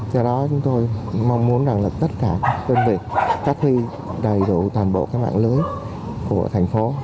do đó chúng tôi mong muốn tất cả công việc phát huy đầy đủ toàn bộ các mạng lưới của thành phố